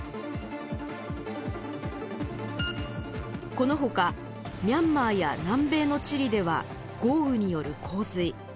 このほかミャンマーや南米のチリでは豪雨による洪水。